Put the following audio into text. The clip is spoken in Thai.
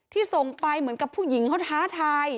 ส่งไปเหมือนกับผู้หญิงเขาท้าทาย